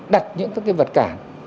đặt những cái vật cản